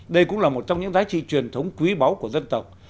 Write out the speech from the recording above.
đây cũng là một trong những giá trị truyền thống quý báu của dân tộc